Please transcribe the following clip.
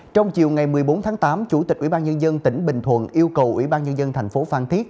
trong chiều ngày một mươi bốn tháng tám chủ tịch ủy ban nhân dân tỉnh bình thuận yêu cầu ủy ban nhân dân thành phố phan thiết